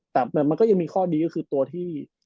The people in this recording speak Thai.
แต่มันก็ยังมีข้อดีก็คือตัวที่